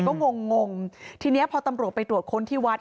ก็งงงทีนี้พอตำรวจไปตรวจค้นที่วัด